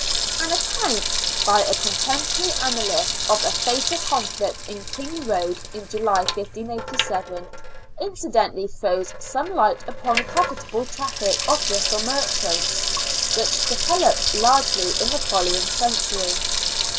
An account by a contemporary annalist of a fatal conflict at Kingroad in July, 1587, incidentally throws some light upon a profitable traffic of Bristol merchants, which developed largely in the following century.